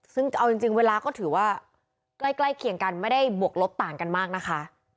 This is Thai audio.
ซึ่งเอาจริงเวลาก็ถือว่าใกล้เคียงกันไม่ได้บวกลบต่างกันมากนะคะ